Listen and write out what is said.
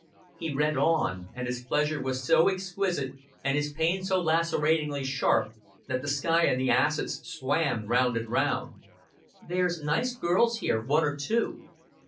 He read on; and his pleasure was so exquisite and his pain so laceratingly sharp that the sky and the acids swam round and round. ... "There's nice girls here, one or two.